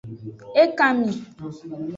Ekanmi.